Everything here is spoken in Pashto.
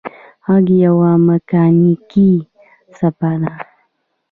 غږ یوه مکانیکي څپه ده.